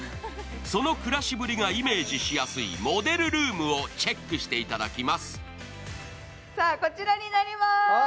その暮らしぶりがイメージしやすいモデルルームをチェックしていただきます。